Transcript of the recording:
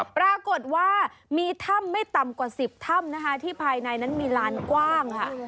ปรากฏว่ามีถ้ำไม่ต่ำกว่า๑๐ถ้ำนะคะที่ภายในนั้นมีลานกว้างค่ะ